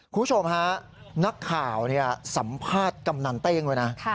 คุณผู้ชมฮะนักข่าวสัมภาษณ์กำนันเต้งด้วยนะ